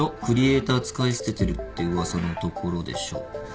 「クリエイター使い捨ててるって噂のところでしょ？」